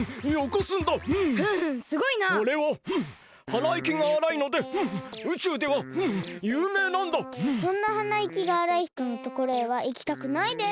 そんなはないきがあらいひとのところへはいきたくないです。